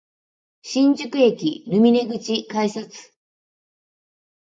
新宿駅ルミネ口改札